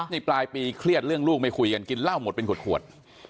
นี่ปลายปีเครียดเรื่องลูกไม่คุยกันกินเหล้าหมดเป็นขวด